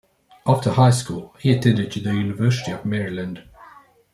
After high school, he attended the University of Maryland.